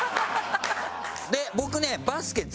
で僕ね。